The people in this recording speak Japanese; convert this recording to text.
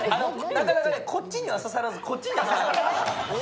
なかなか、こっちには刺さらずこっちに刺さる。